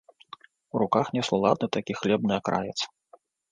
У руках несла ладны такі хлебны акраец.